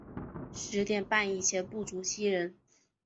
十点半以前不足七人